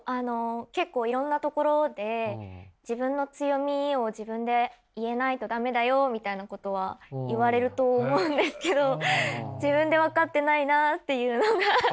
結構いろんなところで自分の強みを自分で言えないと駄目だよみたいなことは言われると思うんですけど自分で分かってないなっていうのがずっと悩みで。